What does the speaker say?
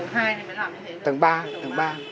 đây là tầng hai thì mới làm như thế